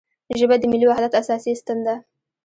ژبه د ملي وحدت اساسي ستن ده